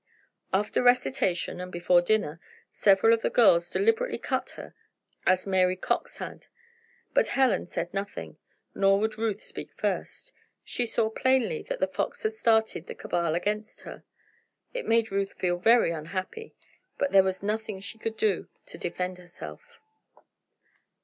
After recitation, and before dinner, several of the girls deliberately cut her as Mary Cox had. But Helen said nothing, nor would Ruth speak first. She saw plainly that The Fox had started the cabal against her. It made Ruth feel very unhappy, but there was nothing she could do to defend herself.